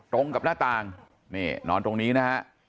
ตรงกับหน้าต่างนี่นอนตรงนี้นะฮะ